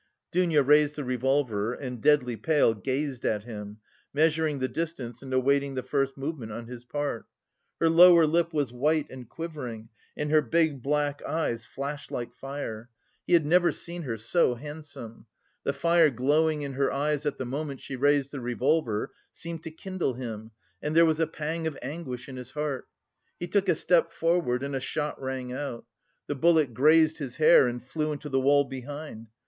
Dounia raised the revolver, and deadly pale, gazed at him, measuring the distance and awaiting the first movement on his part. Her lower lip was white and quivering and her big black eyes flashed like fire. He had never seen her so handsome. The fire glowing in her eyes at the moment she raised the revolver seemed to kindle him and there was a pang of anguish in his heart. He took a step forward and a shot rang out. The bullet grazed his hair and flew into the wall behind.